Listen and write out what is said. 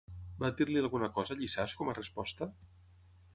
Va dir-li alguna cosa Llissàs com a resposta?